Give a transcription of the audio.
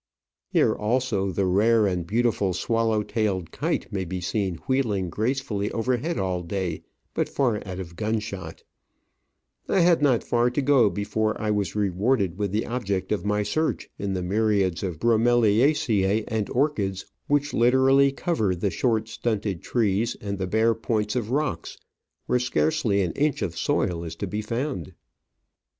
Here also the rare and beautiful Swallow tailed Kite may be seen wheeling gracefully overhead all day, but far out of gun shot. I had not far to go before I was rewarded with the object of my search in the myriads of BromeliacecB and orchids which literally cover the short, stunted trees and the bare points of rocks, where scarcely an inch of soil is I* Digitized by VjOOQIC ii8 Travels and Adventures to be found.